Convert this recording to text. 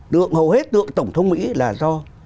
tượng hầu hết tượng tổng thống mỹ là do